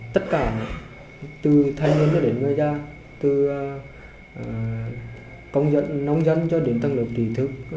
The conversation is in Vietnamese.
tất cả từ thanh niên đến người gia từ công dân nông dân cho đến tân lực trí thức